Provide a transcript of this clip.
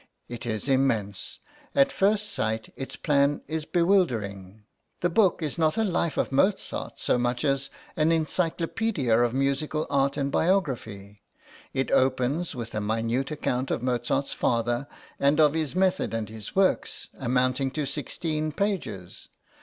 It is immense; at first sight its plan is bewildering. The book is not a Life of Mozart so much as an Encyclopaedia of musical art and biography. It opens with a minute account of Mozart's father, and of his method and his works, amounting to sixteen pages.